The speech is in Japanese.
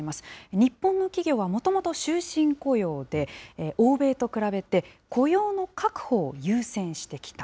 日本の企業はもともと終身雇用で、欧米と比べて、雇用の確保を優先してきた。